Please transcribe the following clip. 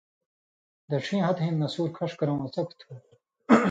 دَڇھیں ہَتہۡ ہِن نسُور کھَݜ کَرٶں اڅھَکوۡ تھو۔